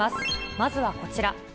まずはこちら。